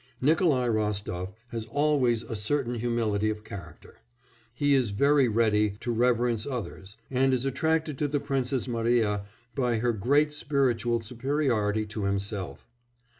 Nikolai Rostof has always a certain humility of character; he is very ready to reverence others, and is attracted to the Princess Mariya by her great spiritual superiority to himself.